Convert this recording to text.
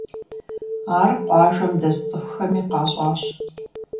Ар къуажэм дэс цӀыхухэми къащӀащ.